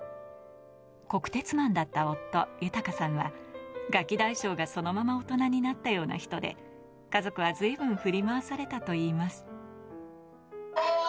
国鉄マンだった夫・豊さんはガキ大将がそのまま大人になったような人で家族は随分振り回されたといいます。